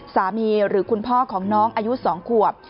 หรือคุณพ่อของน้องอายุ๒ขวบ